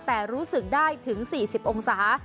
แต่รู้สึกได้ถึง๔๐องศา